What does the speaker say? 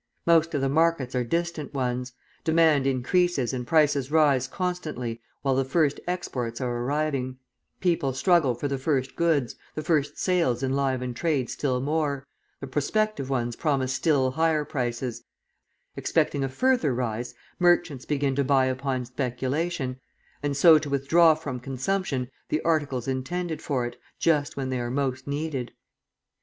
Most of the markets are distant ones; demand increases and prices rise constantly while the first exports are arriving; people struggle for the first goods, the first sales enliven trade still more, the prospective ones promise still higher prices; expecting a further rise, merchants begin to buy upon speculation, and so to withdraw from consumption the articles intended for it, just when they are most needed.